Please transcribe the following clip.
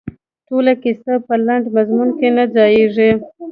ټوله کیسه په لنډ مضمون کې نه ځاییږي.